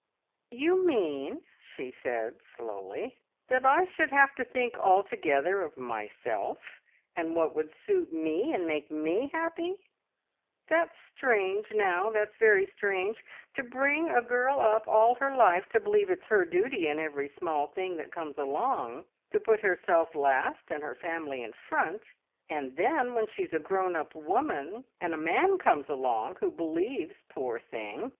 "You mean," she said slowly, "that I should have to think altogether of myself and what would suit Me and make me happy? That's strange, now; that's very strange! To bring a girl up all her life to believe it's her duty in every small thing that comes along to put herself last and her family in front, and then when she's a grown up woman, and a man comes along who believes, poor thing!